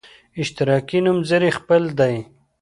اشتراکي نومځري خپل دی.